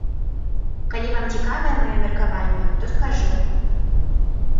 Калі вам цікавае маё меркаванне, то скажу.